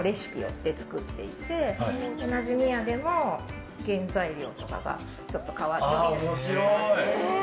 同じミヤでも原材料とかがちょっと変わってて。